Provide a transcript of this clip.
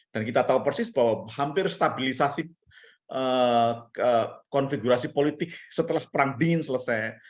dan kita tahu persis bahwa hampir stabilisasi konfigurasi politik setelah perang dingin selesai